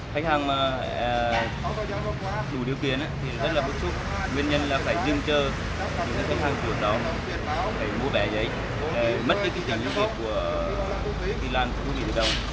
khách hàng đủ điều kiện thì rất là bất xúc nguyên nhân là phải dừng chơ những khách hàng thu phí tự động để mua bẻ giấy để mất những kinh tế liên liệt của đi làm thu phí tự động